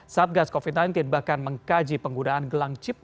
satgas covid sembilan belas bahkan mengkaji penggunaan gelang chip